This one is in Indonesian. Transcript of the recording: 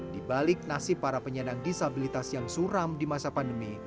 di balik nasib para penyandang disabilitas yang suram di masa pandemi